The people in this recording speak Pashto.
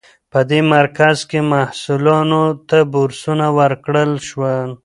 په دې مرکز کې محصلانو ته بورسونه ورکړل شول.